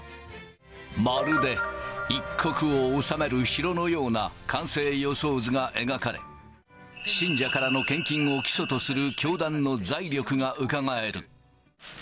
まるで一国を治める城のような完成予想図が描かれ、信者からの献金を基礎とする教団の財力がうかがえる。